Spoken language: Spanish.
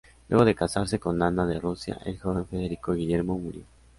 Luego de casarse con Ana de Rusia, el joven Federico Guillermo murió.